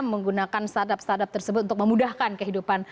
menggunakan start up start up tersebut untuk memudahkan kehidupan